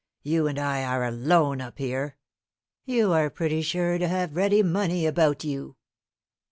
You and I are alone up here. You are pretty sure to have ready money about you.